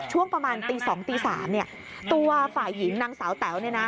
ช่วงประมาณตี๒๓ตัวฝ่ายหญิงนางสาวแต๋ว